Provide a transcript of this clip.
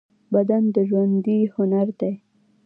بدن د ژوندۍ هنر دی.